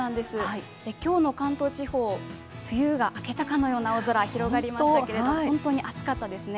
今日の関東地方、梅雨が明けたかのような青空、広がりましたけど本当に暑かったですね。